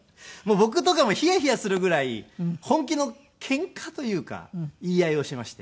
僕とかもヒヤヒヤするぐらい本気のケンカというか言い合いをしていまして。